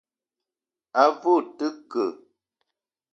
A ve o te ke ?